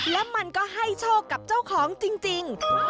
และมันก็ให้โชคกับเจ้าของจริง